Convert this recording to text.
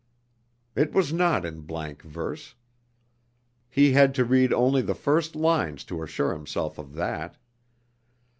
It was not in blank verse. He had to read only the first lines to assure himself of that.